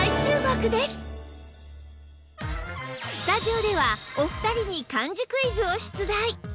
さあスタジオではお二人に漢字クイズを出題！